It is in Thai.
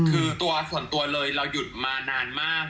คือตัวส่วนตัวเลยเราหยุดมานานมาก